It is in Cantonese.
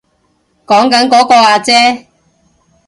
講緊嗰個阿姐